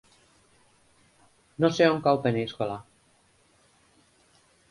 No sé on cau Peníscola.